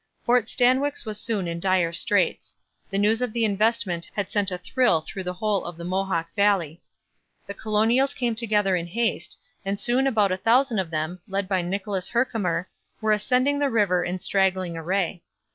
Fort Stanwix was soon in dire straits. The news of the investment had sent a thrill through the whole of the Mohawk valley. The colonials came together in haste, and soon about a thousand of them, led by Nicholas Herkimer, were ascending the river in straggling array.